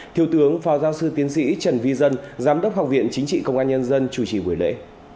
thiếu tướng phó giáo sư tiến sĩ trần vi dân giám đốc học viện chính trị công an nhân dân chủ trì buổi lễ